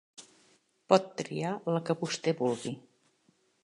Pot triar la que vostè vulgui.